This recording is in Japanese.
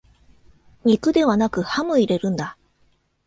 肉ではなくハム入れるんだ